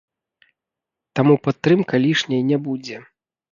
Таму падтрымка лішняй не будзе.